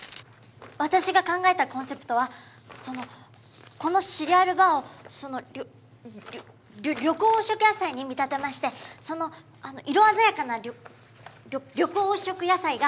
私が考えたコンセプトはそのこのシリアルバーをそのりょ緑黄色野菜に見立てましてその色鮮やかなりょ緑黄色野菜が。